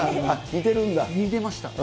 似てました。